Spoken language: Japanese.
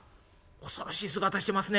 「恐ろしい姿してますね。